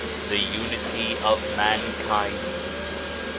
The Unity of Mankind.